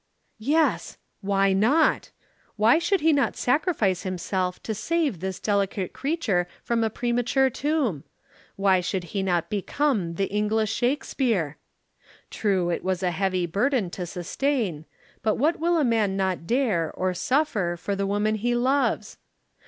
Yes! why not? why should he not sacrifice himself to save this delicate creature from a premature tomb? Why should he not become "the English Shakespeare?" True, it was a heavy burden to sustain, but what will a man not dare or suffer for the woman he loves?